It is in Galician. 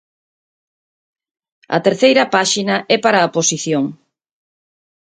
A terceira páxina é para a oposición.